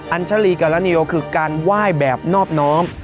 ัญชาลีการรณีโอคือการไหว้แบบนอบน้อม